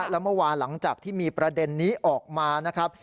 แล้วเมื่อวานหลังจากที่มีประเด็นนี้ออกมานะครับ